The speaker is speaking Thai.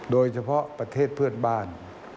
โดยเฉพาะประเทศเพื่อนบ้าน